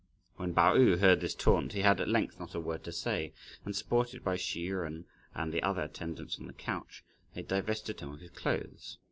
When Pao yü heard this taunt, he had at length not a word to say, and supported by Hsi Jen and the other attendants on to the couch, they divested him of his clothes.